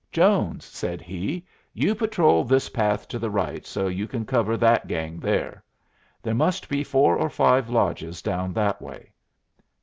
"Jones," said he, "you patrol this path to the right so you can cover that gang there. There must be four or five lodges down that way.